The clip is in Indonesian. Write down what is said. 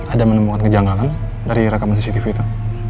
ada menemukan kejanggalan dari rekaman cctv itu